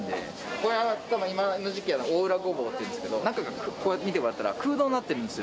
これ、今の時期は大浦ゴボウっていうんですけど、中が、こうやって見てもらったら、空洞になってるんですよ。